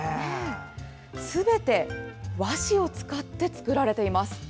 すべて和紙を使って作られています。